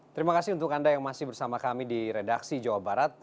terima kasih untuk anda yang masih bersama kami di redaksi jawa barat